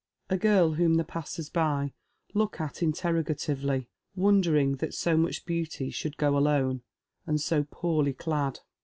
A girl whom the passers by look at interrogatively, wondering that so much beauty should go alone, and so poony clad.